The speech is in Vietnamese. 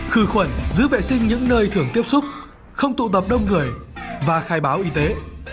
khử khuẩn giữ vệ sinh những nơi thường tiếp xúc không tụ tập đông người và khai báo y tế